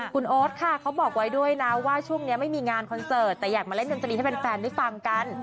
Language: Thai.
คุณโอ๊ตค่ะเขาบอกไว้ด้วยนะว่าช่วงนี้ไม่มีงานคอนเสิร์ตแต่อยากมาเล่นดนตรีให้แฟนได้ฟังกัน